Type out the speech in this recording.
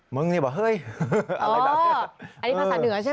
มึงนิบะเฮ้ยอะไรแบบนี้